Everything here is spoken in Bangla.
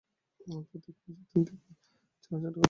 এতে প্রতি মাসে তিন থেকে চার হাজার টাকা অতিরিক্ত খরচ হচ্ছে।